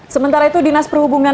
sementara itu dinas perhubungan